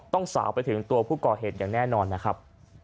สาวไปถึงตัวผู้ก่อเหตุอย่างแน่นอนนะครับ